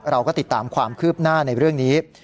เราก็ติดตามความคืบหน้าในเรื่องนี้